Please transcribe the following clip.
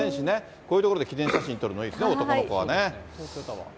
こういう所で記念写真撮るのいいですね、男の子はね。